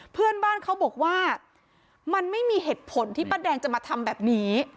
เพื่อนบ้านเขาบอกว่ามันไม่มีเหตุผลที่ป้าแดงจะมาทำแบบนี้